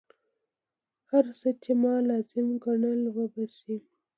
هر څه چې ما لازم ګڼل وبه شي.